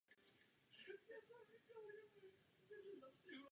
Stavbu dokončili jeho synové Petr a Markvart z Vartemberka.